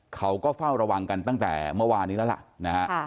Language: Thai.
เขาก็เฝ้าระวังกันตั้งแต่เมื่อวานนี้แล้วล่ะนะฮะ